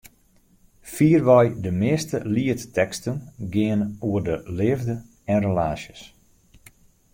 Fierwei de measte lietteksten geane oer de leafde en relaasjes.